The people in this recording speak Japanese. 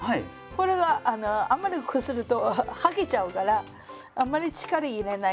これがあんまりこすると剥げちゃうからあんまり力入れない。